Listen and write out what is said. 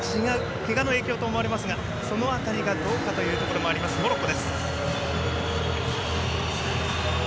けがの影響と思われますがその辺りがどうかというところもあるモロッコ。